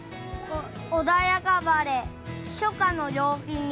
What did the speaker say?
穏やか晴れ、初夏の陽気に。